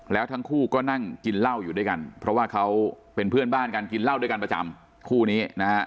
แล้วทั้งคู่ก็นั่งกินเหล้าอยู่ด้วยกันเพราะว่าเขาเป็นเพื่อนบ้านกันกินเหล้าด้วยกันประจำคู่นี้นะฮะ